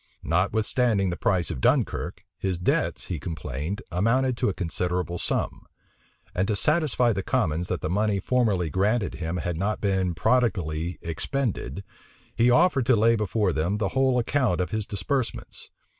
Notwithstanding the price of Dunkirk, his debts, he complained, amounted to a considerable sum; and to satisfy the commons that the money formerly granted him had not been prodigally expended, he offered to lay before them the whole account of his disbursements.